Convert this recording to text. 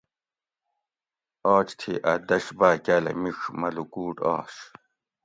آج تھی اۤ دش باۤ کاۤلہ میڄ مۤہ لُکوٹ آش